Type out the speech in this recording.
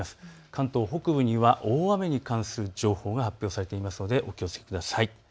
関東北部には大雨に関する情報が発表されていますのでお気をつけください。